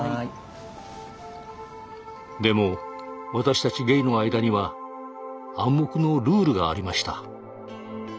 でも私たちゲイの間には暗黙のルールがありました。